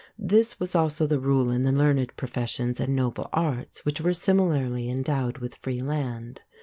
This was also the rule in the learned professions and "noble" arts, which were similarly endowed with free land.